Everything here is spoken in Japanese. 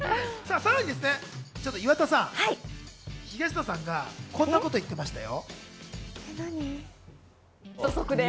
さらに岩田さん、東野さんがこんなこと言ってましたよ。